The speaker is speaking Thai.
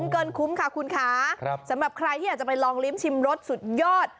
เกินคุ้มค่ะคุณคะสำหรับใครที่อยากจะไปลองลิ้มชิมรสสุดยอด